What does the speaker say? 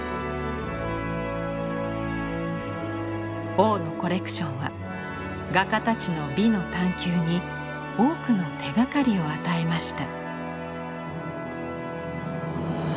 王のコレクションは画家たちの美の探求に多くの手がかりを与えました。